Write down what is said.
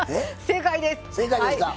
正解ですか。